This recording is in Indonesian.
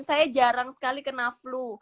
saya jarang sekali kena flu